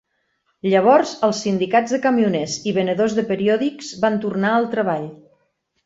Llavors els sindicats de camioners i venedors de periòdics van tornar al treball.